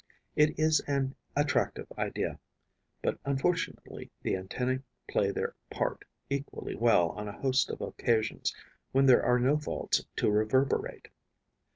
It is an attractive idea, but unfortunately the antennae play their part equally well on a host of occasions when there are no vaults to reverberate.